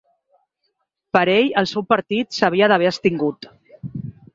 Per ell, el seu partit s’havia d’haver abstingut.